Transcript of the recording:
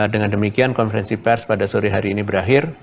dengan demikian konferensi pers pada sore hari ini berakhir